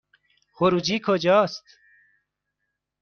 خروجی کجاست؟